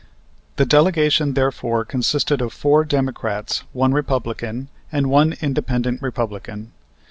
The delegation, therefore, consisted of four Democrats, one Republican, and one Independent Republican.